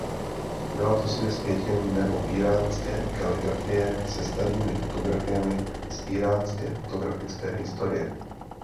Byla to směs květin nebo íránské kaligrafie se starými fotografiemi z íránské fotografické historie.